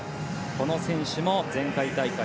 この選手も前回大会